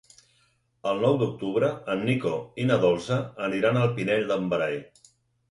El nou d'octubre en Nico i na Dolça aniran al Pinell de Brai.